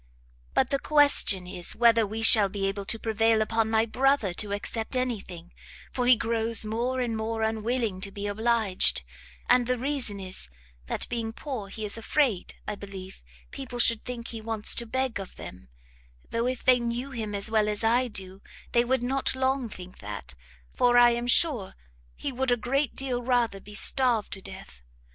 "But the question is whether we shall be able to prevail upon my brother to accept any thing, for he grows more and more unwilling to be obliged, and the reason is, that being poor, he is afraid, I believe, people should think he wants to beg of them: though if they knew him as well as I do, they would not long think that, for I am sure he would a great deal rather be starved to death.